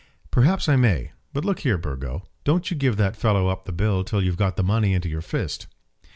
"Perhaps I may. But look here, Burgo, don't you give that fellow up the bill till you've got the money into your fist."